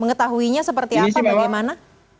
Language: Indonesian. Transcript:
mengetahuinya seperti apa bagaimana